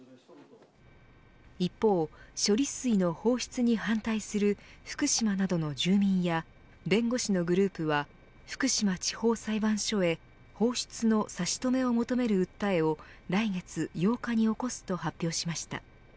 一方、処理水の放出に反対する福島などの住民や弁護士のグループは福島地方裁判所へ放出の差し止めを求める訴えを来月８日に起こすと発表しました。